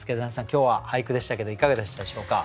今日は俳句でしたけどいかがでしたでしょうか？